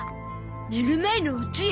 寝る前のおつや？